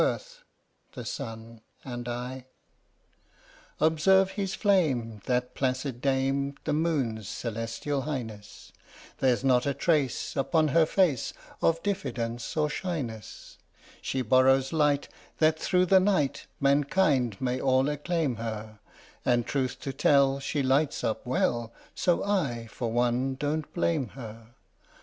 77 THE STORY OF THE MIKADO Observe his flame, That placid dame, The Moon's Celestial Highness; There 's not a trace Upon her face Of diffidence or shyness: She borrows light That, through the night Mankind may all acclaim her; And, truth to tell She lights up well, So I, for one, don't blame her.